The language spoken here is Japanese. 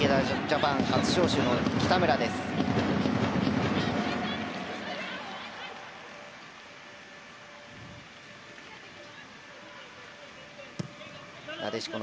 ジャパン初招集の北村でした。